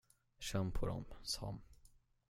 Känn på dem, Sam.